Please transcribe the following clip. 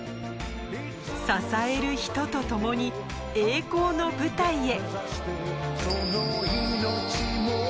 支える人とともに、栄光の舞台へ。